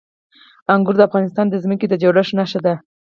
انګور د افغانستان د ځمکې د جوړښت نښه ده.